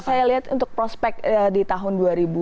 kalau saya lihat untuk prospek di tahun dua ribu delapan belas